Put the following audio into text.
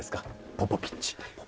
ポポビッチ。